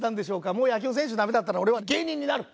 もう野球選手ダメだったら俺は芸人になる！